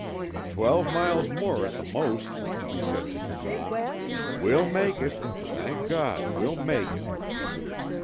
"Twelve miles more at the most," he said to Kazan. "We'll make it. Thank God, we'll make it!"